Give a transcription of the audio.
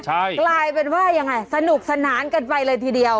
ใช่กลายเป็นว่ายังไงสนุกสนานกันไปเลยทีเดียว